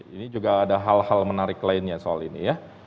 ini juga ada hal hal menarik lainnya soal ini ya